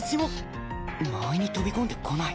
間合いに飛び込んでこない